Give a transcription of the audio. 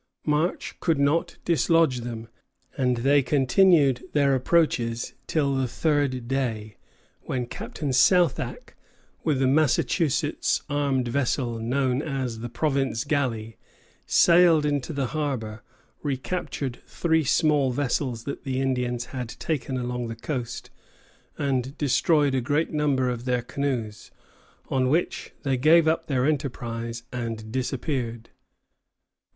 March could not dislodge them, and they continued their approaches till the third day, when Captain Southack, with the Massachusetts armed vessel known as the "Province Galley," sailed into the harbor, recaptured three small vessels that the Indians had taken along the coast, and destroyed a great number of their canoes, on which they gave up their enterprise and disappeared.